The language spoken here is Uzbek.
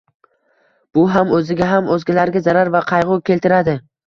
Bu ham oʻziga ham oʻzgalarga zarar va qaygʻu keltiradi